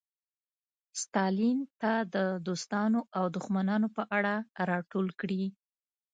ستالین ته د دوستانو او دښمنانو په اړه راټول کړي.